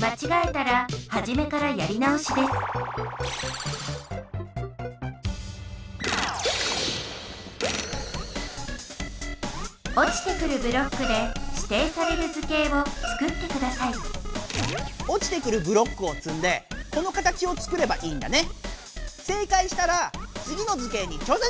まちがえたらはじめからやり直しですおちてくるブロックでしていされる図形をつくってくださいおちてくるブロックをつんでこの形をつくればいいんだね。